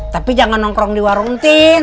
tapi jangan nongkrong di warung tim